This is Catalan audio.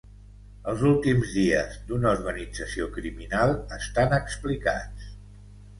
Els últims dies d'una organització criminal estan explicats.